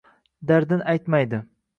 Dardin aytmaydi